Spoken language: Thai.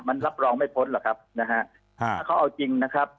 มันรับรองไม่พ้นหรอกครับนะฮะถ้าเขาเอาจริงนะครับ